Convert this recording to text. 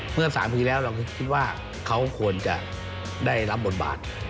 เมื่อ๓ปีแล้วเราคิดว่าเขาควรจะได้รับบทบาท